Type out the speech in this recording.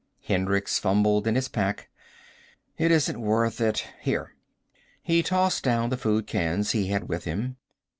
Hendricks fumbled in his pack. "It isn't worth it. Here." He tossed down the food cans he had with him.